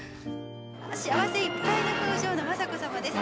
幸せいっぱいの表情の雅子さまです。